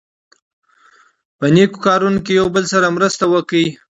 په نېکو کارونو کې یو بل سره مرسته وکړئ.